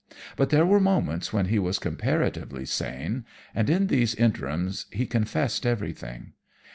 But there were moments when he was comparatively sane, and in these interims he confessed everything.